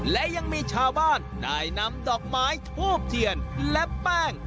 และยังมีชาวบ้านได้นำดอกไม้ทูบเทียนและแป้ง